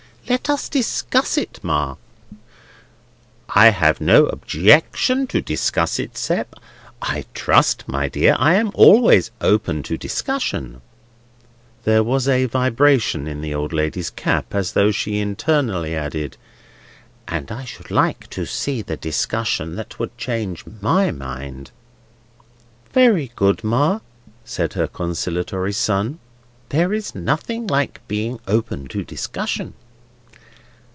"Let us discuss it, Ma." "I have no objection to discuss it, Sept. I trust, my dear, I am always open to discussion." There was a vibration in the old lady's cap, as though she internally added: "and I should like to see the discussion that would change my mind!" "Very good, Ma," said her conciliatory son. "There is nothing like being open to discussion."